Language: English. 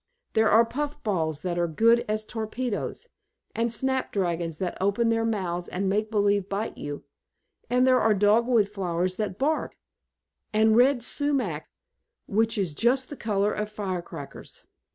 There are puff balls that are as good as torpedoes, and snap dragons that open their mouths and make believe bite you, and there are dogwood flowers that bark, and red sumach which is just the color of firecrackers."